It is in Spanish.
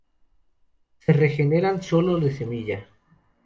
Se regenera solo de semilla.